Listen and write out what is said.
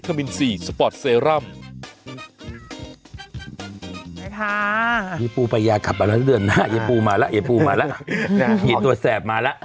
ไอ้พาเย็นปูไปยากลับมาแล้วเดือนหน้าเย็นปูมาแล้วเย็นตัวแสบมาแล้ว